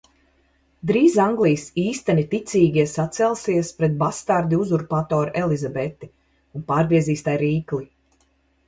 Drīz Anglijas īsteni ticīgie sacelsies pret bastardi uzurpatori Elizabeti un pārgriezīs tai rīkli!